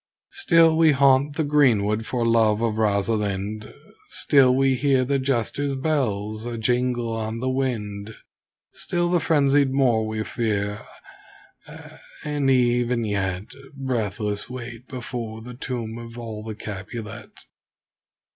Still we haunt the greenwood for love of Rosalind, Still we hear the Jester's bells ajingle on the wind, Still the frenzied Moor we fear Ah! and even yet Breathless wait before the tomb of all the Capulet.